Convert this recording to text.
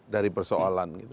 dari persoalan gitu